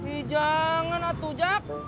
ih jangan atu jap